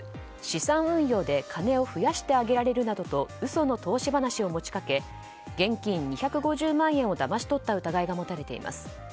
資産運用で金を増やしてあげられるなどと嘘の投資話を持ちかけ現金２５０万円をだまし取った疑いが持たれています。